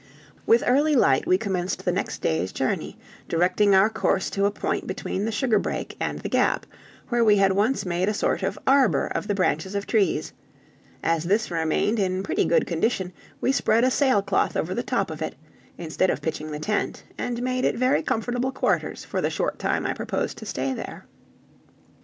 With early light we commenced the next day's journey, directing our course to a point between the sugar brake and the Gap, where we had once made a sort of arbor of the branches of trees; as this remained in pretty good condition, we spread a sailcloth over the top of it, instead of pitching the tent, and made it very comfortable quarters for the short time I proposed to stay there.